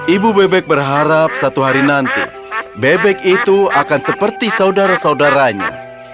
ibu bebek berharap satu hari nanti bebek itu akan seperti saudara saudaranya